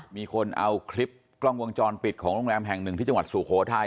มีคนเอาคลิปกล้องวงจรปิดของโรงแรมแห่งหนึ่งที่จังหวัดสุโขทัย